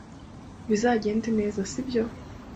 Bizagenda neza, sibyo?